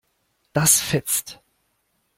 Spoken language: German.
Das fetzt.